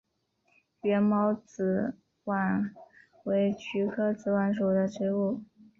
缘毛紫菀为菊科紫菀属的植物。